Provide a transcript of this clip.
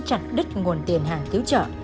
chặt đứt nguồn tiền hàng cứu trợ